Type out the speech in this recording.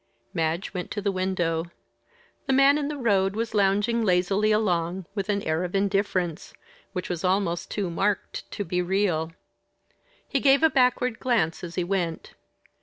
Madge went to the window. The man in the road was lounging lazily along with an air of indifference which was almost too marked to be real. He gave a backward glance as he went.